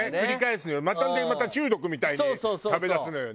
また中毒みたいに食べだすのよね。